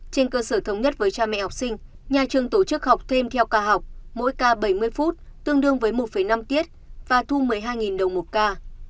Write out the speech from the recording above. trên cơ sở thống nhất với cha mẹ học sinh nhà trường tổ chức học thêm theo ca học mỗi ca bảy mươi phút tương đương với một năm tiết và thu một mươi hai đồng một ca